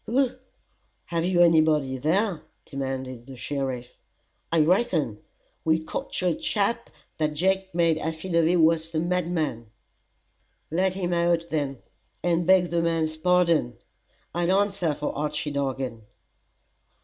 "Who? Have you any body there?" demanded the sheriff. "I reckon! We cocht a chap that Jake made affidavy was the madman." "Let him out then, and beg the man's pardon. I'll answer for Archy Dargan."